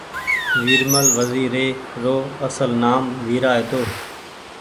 ويرمل وزير ري رو اصل نآم ويرا هيتو